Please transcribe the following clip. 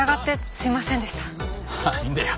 いいんだよ。